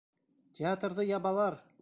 Театрҙы ябалар!